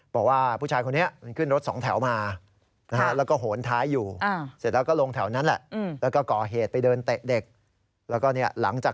บอกว่าผู้ชายคนนี้